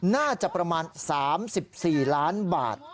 น่าจะประมาณ๓๔ล้านบาท